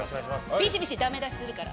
ビシビシダメ出しするから。